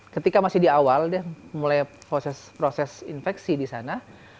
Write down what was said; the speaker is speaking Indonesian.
ketika masih di awal dia mulai proses infeksi di sana